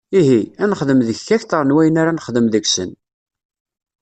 Ihi, ad nexdem deg-k akteṛ n wayen ara nexdem deg-sen!